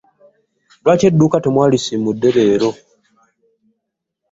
Lwaki edduuka temwalisiimude leero?